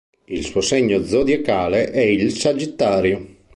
Il suo segno zodiacale è il Sagittario.